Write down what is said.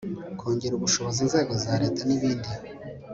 kongera ubushobozi inzego za leta, n'ibindi